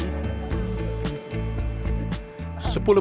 jangan lupa untuk mencoba